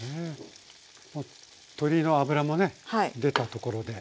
鶏の脂もね出たところで。